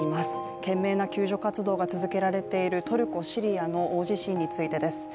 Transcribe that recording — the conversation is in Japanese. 懸命な救助活動が続けられているトルコ・シリアの大地震についてです。